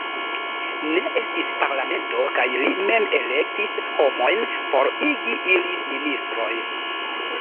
Ne estis parlamento kaj li mem elektis homojn por igi ilin ministroj.